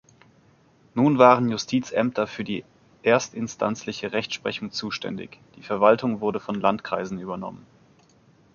Nun waren Justizämter für die erstinstanzliche Rechtsprechung zuständig, die Verwaltung wurde von Landkreisen übernommen.